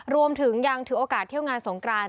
รวมถึงยังถือโอกาสเที่ยวงานสงกราน